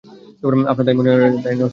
আপনার তাই মনে হয় না, রসনার?